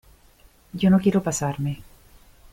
yo no quiero pasarme